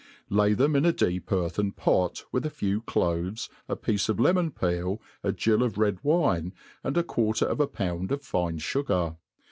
Lay them in a deep earthen pot, with a few cloves, a piece of lemon peei, a gill of red wine, and a quarter of a pound of fine fugar.